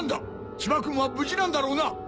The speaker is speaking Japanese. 千葉君は無事なんだろうな？